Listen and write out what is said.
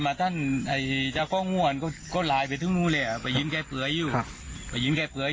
มาตามมาให้ดูเลยครับ